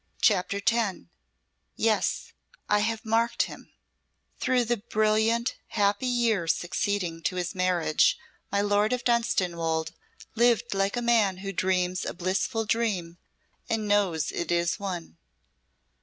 CHAPTER X "Yes I have marked him" Through the brilliant, happy year succeeding to his marriage my Lord of Dunstanwolde lived like a man who dreams a blissful dream and knows it is one.